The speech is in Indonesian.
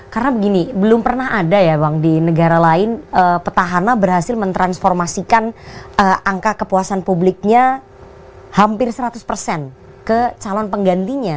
karena begini belum pernah ada ya bang di negara lain petahana berhasil mentransformasikan angka kepuasan publiknya hampir seratus persen ke calon penggantinya